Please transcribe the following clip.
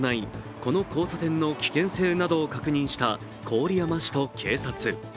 この交差点の危険性などを確認した郡山市と警察。